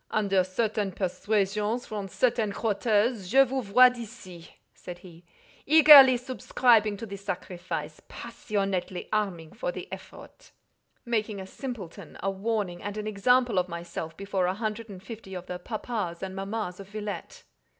"Under certain persuasions, from certain quarters, je vous vois d'ici," said he, "eagerly subscribing to the sacrifice, passionately arming for the effort." "Making a simpleton, a warning, and an example of myself, before a hundred and fifty of the 'papas' and 'mammas' of Villette."